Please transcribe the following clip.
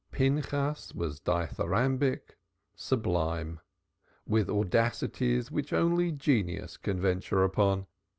Pinchas was dithyrambic, sublime, with audacities which only genius can venture on.